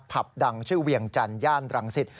ดังชื่อเวียงจันทร์ย่านรังสิต